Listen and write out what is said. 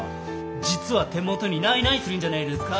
実は手元にないないするんじゃねえですか？